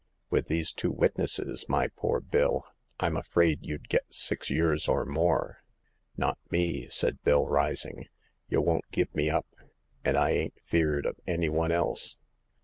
With these two witnesses, my poor Bill, Tm afraid you'd get six years or more !"Not me !" said Bill, rising. '' Y' won't give me up ; and I ain't feared of any one else."